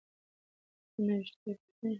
ایا ته نوښتګر فعالیتونه خوښوې؟